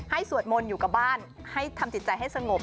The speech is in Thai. สวดมนต์อยู่กับบ้านให้ทำจิตใจให้สงบ